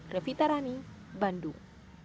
revita rani bandung